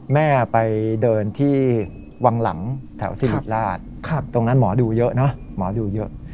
แม่ไปเดินที่วังหลังแถวสิริราชตรงนั้นหมอดูเยอะเนอะหมอดูเยอะ